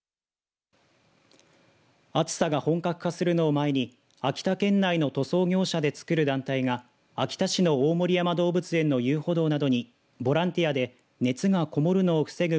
暑さが本格化するのを前に秋田県内の塗装業者でつくる団体が秋田市の大森山動物園の遊歩道などにボランティアで熱がこもるのを防ぐ